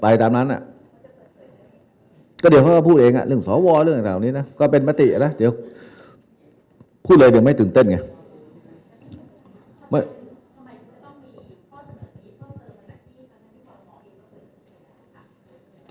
ไม่ทำไมก็ต้องมีข้อเฉพาะที่ก็เกิดมาแบบนั้นที่ทำใหม่หมออีกแล้ว